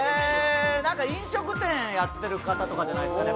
飲食店やってる方とかじゃないですかね？